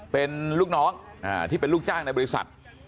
เป็นลูกน้องที่เป็นลูกจ้างในบริษัท